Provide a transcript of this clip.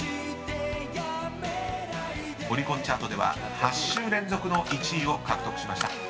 ［オリコンチャートでは８週連続の１位を獲得しました］